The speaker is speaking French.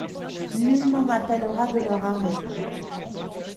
Nul n’en appellera de leur arrêt.